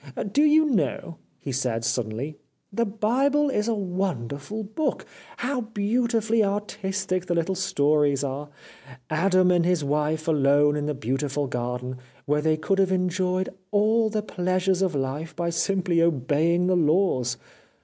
Do you know,' he said suddenly, ' the Bible is a wonderful book. How beautifully artistic the little stories are ! Adam and his wife alone in the beautiful garden, where they could have enjoyed all the pleasures of life by simply obeying the laws.